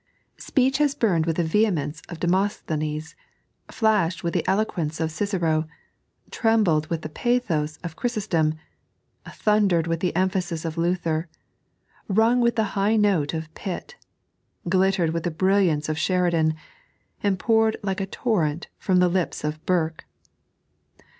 Speech has burned with the vehemence of Demosthenes, flashed with the eloquence of Cicero, trembled with the pathos of Chry sostom, thundered with the emphasis of Luther, rung with the high note of Pitt, glittered with the brilliance of Sheridan, and poured like a torrent from the lips of Burke.